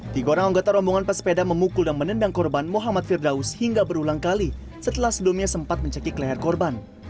tiga orang anggota rombongan pesepeda memukul dan menendang korban muhammad firdaus hingga berulang kali setelah sebelumnya sempat mencekik leher korban